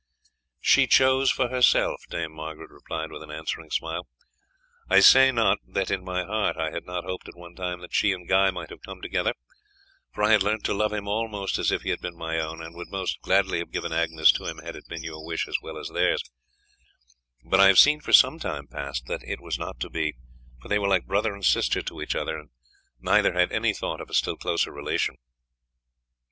"She chose for herself," Dame Margaret replied with an answering smile. "I say not that in my heart I had not hoped at one time that she and Guy might have come together, for I had learnt to love him almost as if he had been my own, and would most gladly have given Agnes to him had it been your wish as well as theirs; but I have seen for some time past that it was not to be, for they were like brother and sister to each other, and neither had any thought of a still closer relation.